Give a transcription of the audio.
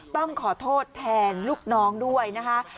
ต้องขอโทษแทนลูกน้องด้วยนะคะ